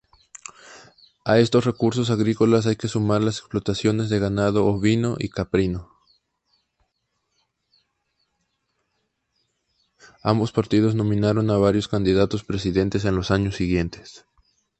Ambos partidos nominaron a varios candidatos presidenciales en los años siguientes.